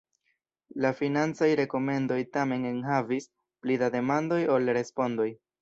La financaj rekomendoj tamen enhavis pli da demandoj ol respondoj.